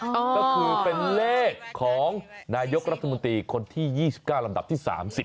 ก็คือเป็นเลขของนายกรัฐมนตรีคนที่๒๙ลำดับที่๓๐